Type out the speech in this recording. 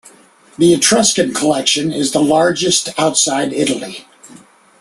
The Etruscan collection is the largest outside Italy.